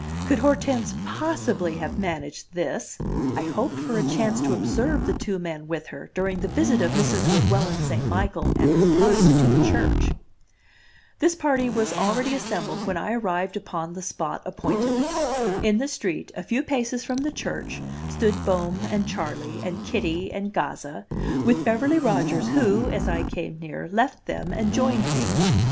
Could Hortense possibly have managed this? I hoped for a chance to observe the two men with her during the visit of Mrs. Weguelin St. Michael and her party to the church. This party was already assembled when I arrived upon the spot appointed. In the street, a few paces from the church, stood Bohm and Charley and Kitty and Gazza, with Beverly Rodgers, who, as I came near, left them and joined me.